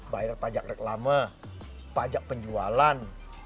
bayar pajak reklama pajak penjualan